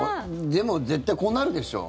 でも、絶対こうなるでしょう。